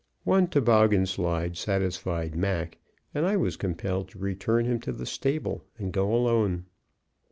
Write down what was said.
One toboggan slide satisfied Mac, and I was compelled to return him to the stable and go alone.